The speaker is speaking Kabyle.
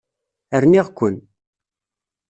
Rniɣ-ken.